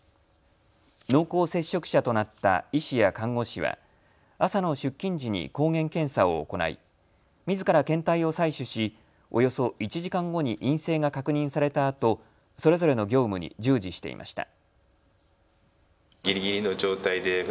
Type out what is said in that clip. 濃厚接触者となった医師や看護師は朝の出勤時に抗原検査を行いみずから検体を採取しおよそ１時間後に陰性が確認されたあとそれぞれの業務に従事していました。